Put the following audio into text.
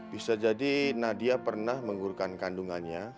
bisa jadi nadiya pernah mengurukan kandungannya